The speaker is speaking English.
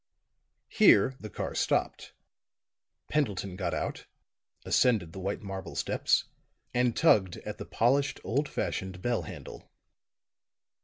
Here the car stopped; Pendleton got out, ascended the white marble steps and tugged at the polished, old fashioned bell handle.